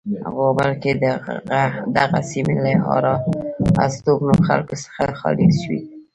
غوبل کې دغه سیمې له آر استوګنو خلکو څخه خالی شوې.